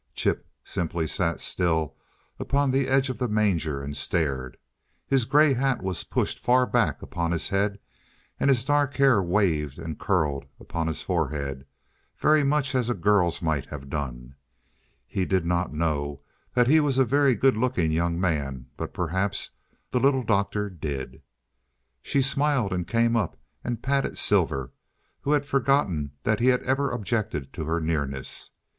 Chip simply sat still upon the edge of the manger and stared. His gray hat was pushed far back upon his head and his dark hair waved and curled upon his forehead, very much as a girl's might have done. He did not know that he was a very good looking young man, but perhaps the Little Doctor did. She smiled and came up and patted Silver, who had forgotten that he ever had objected to her nearness.